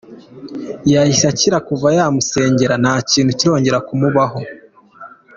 Yahise akira, kuva yamusengera nta kintu kirongera kumubaho.